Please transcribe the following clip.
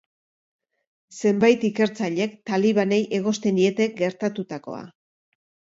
Zenbait ikertzailek talibanei egozten diete gertatutakoa.